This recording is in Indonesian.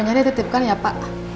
hp nya dititipkan ya pak